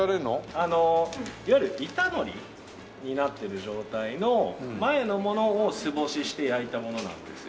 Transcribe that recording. あのいわゆる板海苔になってる状態の前のものを素干しして焼いたものなんですよ。